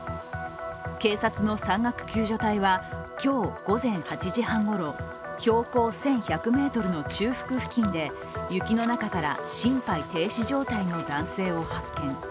警察の山岳救助隊は今日午前８時半ごろ、標高１１００ｍの中腹付近で雪の中から心肺停止状態の男性を発見。